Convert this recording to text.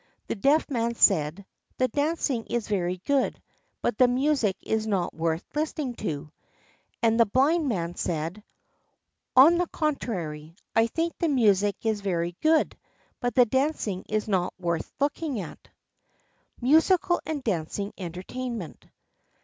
The Deaf Man said: "The dancing is very good, but the music is not worth listening to"; and the Blind Man said: "On the contrary, I think the music very good, but the dancing is not worth looking at." Footnote 6: Musical and dancing entertainment.